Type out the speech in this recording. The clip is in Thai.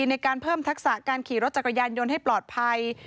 ในการเพิ่มทักษะการขี่รถจักรยานยนต์ให้ปลอดภัย